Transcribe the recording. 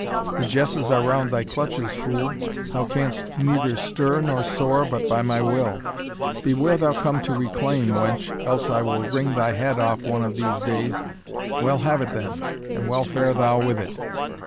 the jesses are round thy clutches, fool thou canst neither stir nor soar but by my will Beware thou come to reclaim, wench, else I will wring thy head off one of these days Well, have it then, and well fare thou with it.